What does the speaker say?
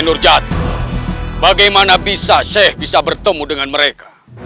senur jatuh bagaimana bisa syekh bisa bertemu dengan mereka